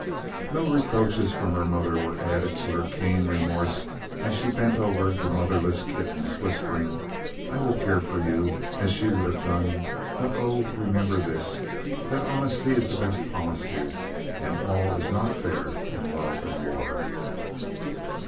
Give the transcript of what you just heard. No reproaches from her mother were added to her keen remorse as she bent over the motherless kittens, whispering: "I will care for you, as she would have done; but oh, remember this, that honesty is the best policy, and all is not fair in love and war."